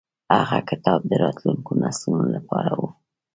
هغه کتاب د راتلونکو نسلونو لپاره و.